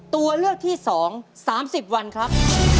ตัวเลือกที่๒๓๐วันครับ